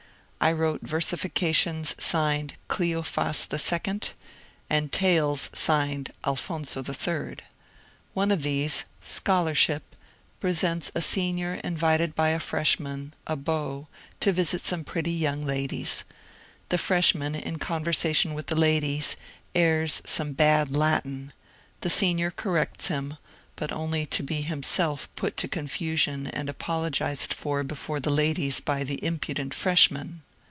I wrote versifications signed ^^ Cleofas II," and tales signed ^^Alphonso III." One of these, ^^Scholar ship," represents a Senior invited by a Freshman, a beau, to visit some pretty young ladies. The Freshman, in conversa tion with the ladies, airs some bad Latin, the Senior corrects him, but only to be himself put to confusion and apologized for before the ladies by the impudent Freshman.